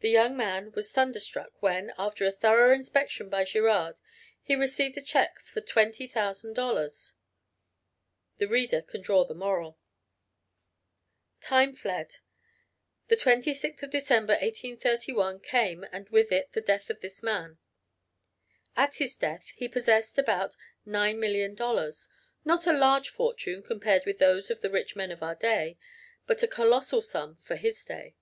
The young man was thunderstruck when, after a thorough inspection by Girard, he received a check for $20,000; the reader can draw the moral. Time fled, the 26th of December, 1831, came, and with it the death of this man. At his death he possessed about $9,000,000, not a large fortune compared with those of the rich men of our day, but a colossal sum for his day.